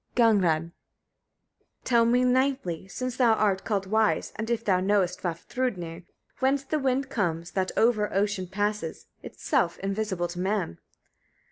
Gagnrâd. 36. Tell me ninthly, since thou art called wise, and if thou knowest, Vafthrûdnir! whence the wind comes, that over ocean passes, itself invisible to man?